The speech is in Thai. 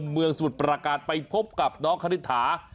เมืองสมุทรประการไปพบกับน้องคณิตถา